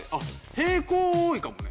平行多いかもね。